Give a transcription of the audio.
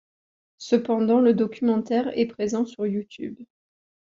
Cependant le documentaire est présent sur Youtube.